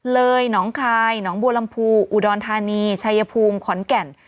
เลยหนองคายหนองบัวลำพูอุดรธานีชัยภูมิขอนแก่น